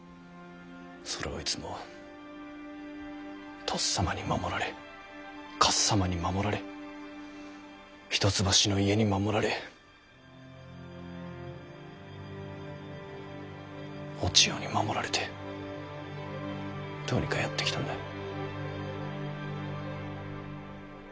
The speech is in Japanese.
それをいつもとっさまに守られかっさまに守られ一橋の家に守られお千代に守られてどうにかやってきたんだ。